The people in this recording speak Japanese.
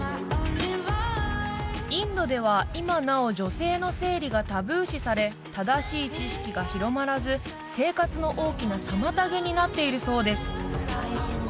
インドでは今なお女性の生理がタブー視され正しい知識が広まらず生活の大きな妨げになっているそうです